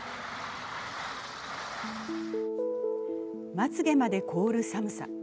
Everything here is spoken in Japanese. まつげまで凍る寒さ。